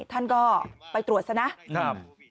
ท่านก็ไปตรวจซะนะครับ